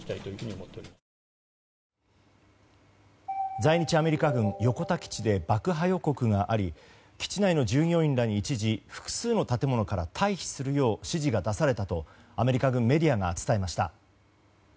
在日アメリカ軍横田基地で爆破予告があり基地内の従業員らに一時複数の建物から退避するよう指示が出されたとアメリカ軍メディアが伝えました。